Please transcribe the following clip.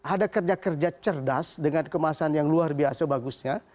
ada kerja kerja cerdas dengan kemasan yang luar biasa bagusnya